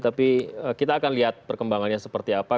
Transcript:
tapi kita akan lihat perkembangannya seperti apa